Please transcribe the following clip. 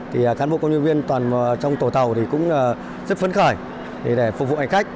thì cán bộ công nhân viên trong tổ tàu cũng rất phấn khởi để phục vụ hành khách